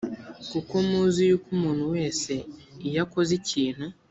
kuko muzi yuko umuntu wese iyo akoze ikintu